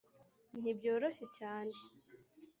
ntibyoroshye cyane ....